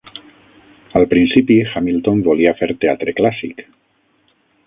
Al principi, Hamilton volia fer teatre clàssic.